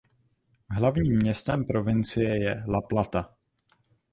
Hlavním městem provincie je La Plata.